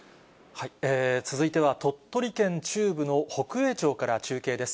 続いては鳥取県中部の北栄町から中継です。